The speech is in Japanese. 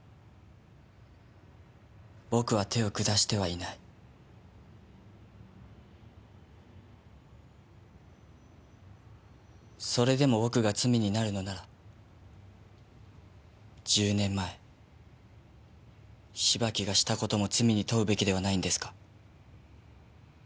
僕は手を下してはいない。それでも僕が罪になるのなら１０年前芝木がした事も罪に問うべきではないんですか？